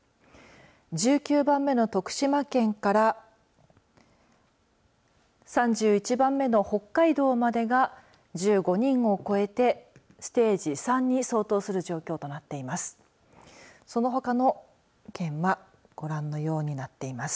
１９番目の徳島県から３１番目の北海道までが１５人を超えてステージ３に相当する状況となっています。